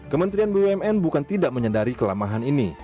kementerian bumn bukan tidak menyadari kelemahan ini